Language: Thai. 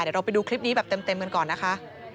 เดี๋ยวเราไปดูคลิปนี้แบบเต็มกันก่อนนะคะ